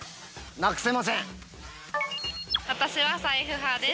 私は財布派です。